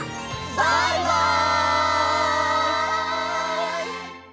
バイバイ！